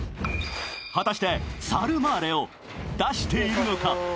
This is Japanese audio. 果たしてサルマーレを出しているのか？